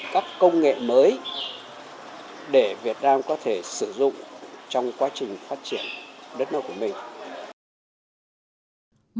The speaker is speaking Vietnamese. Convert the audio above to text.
các công nghệ mới để việt nam có thể sử dụng trong quá trình phát triển đất nước của mình